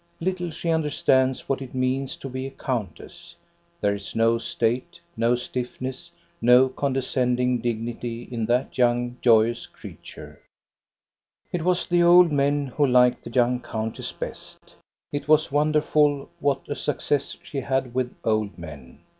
Little she understands what it means to be a countess. There is no state, no stiffness, no con descending dignity in that young, joyous creature. THE YOUNG COUNTESS 171 It was the old men who liked the young countess best. It was wonderful, what a success she had with old men.